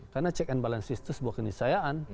karena check and balance itu sebuah kenisayaan